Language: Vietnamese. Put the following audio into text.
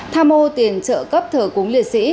tham mô tiền trợ cấp thờ cúng liệt sĩ